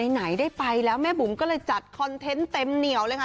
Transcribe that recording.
ไหนได้ไปแล้วแม่บุ๋มก็เลยจัดคอนเทนต์เต็มเหนียวเลยค่ะ